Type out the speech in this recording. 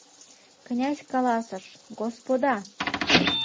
Князь каласыш: «Господа